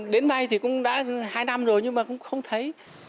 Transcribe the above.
đến nay thì cũng đã hai năm rồi nhưng mà cũng không thấy